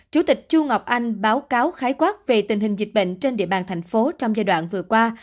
chủ tịch chu ngọc anh báo cáo khái quát về tình hình dịch bệnh trên địa bàn thành phố trong giai đoạn vừa qua